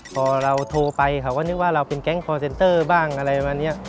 พอเราโทรไปเขาก็นึกว่าเราเป็นแก๊งคอร์เซ็นเตอร์บ้างอะไรประมาณนี้